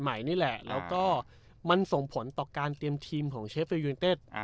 ใหม่นี่แหละอ่าแล้วก็มันส่งผลต่อการเตรียมทีมของเชฟเฟรียร์